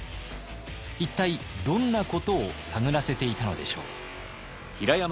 一体どんなことを探らせていたのでしょう？